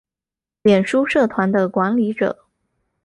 脸书社团的管理者